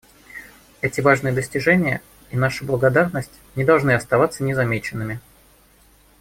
Эти важные достижения — и наша благодарность — не должны остаться незамеченными.